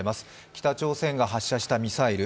北朝鮮が発射したミサイル